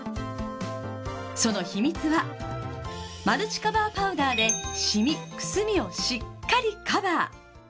その秘密はマルチカバーパウダーでシミくすみをしっかりカバー。